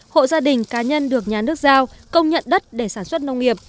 hộ gia đình cá nhân được nhà nước giao công nhận đất để sản xuất nông nghiệp